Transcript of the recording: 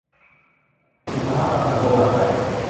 อุตสาหกรรมถังโลหะไทย